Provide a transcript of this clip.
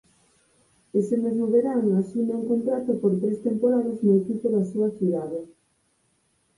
Ese mesmo verán asina un contrato por tres temporadas no equipo da súa cidade.